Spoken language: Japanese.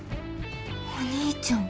お兄ちゃん。